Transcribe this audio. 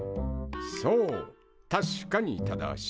そう確かに正しい。